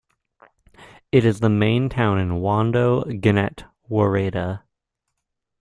It is the main town in Wondo Genet woreda.